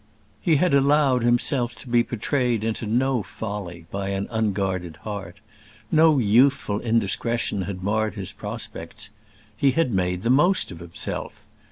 He had allowed himself to be betrayed into no folly by an unguarded heart; no youthful indiscretion had marred his prospects. He had made the most of himself.